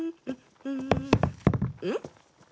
うん？